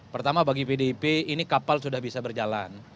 pertama bagi pdip ini kapal sudah bisa berjalan